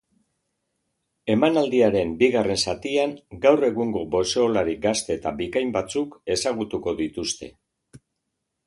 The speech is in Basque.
Emanaldiaren bigarren zatian, gaur egungo boxeolari gazte eta bikain batzuk ezagutuko dituzte.